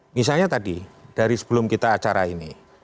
misalnya tadi dari sebelum kita acara ini